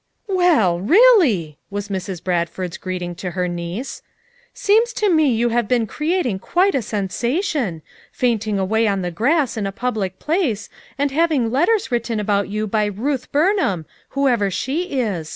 "Well really!" was Mrs. Bradford's greet ing to her niece. "Seems to me you have been creating quite a sensation; fainting away on the grass in a public place and having letters written about you by 'Ruth Burnham,' whoever she is.